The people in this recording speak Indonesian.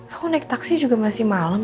aku naik taksi juga masih malam